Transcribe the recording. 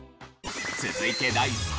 続いて第３位。